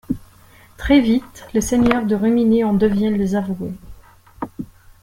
Très vite, les seigneurs de Rumigny en deviennent les avouées.